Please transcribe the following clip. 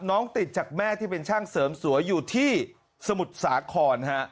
ติดจากแม่ที่เป็นช่างเสริมสวยอยู่ที่สมุทรสาคร